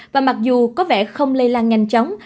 và mặc dù có vẻ không lây lan nhanh chóng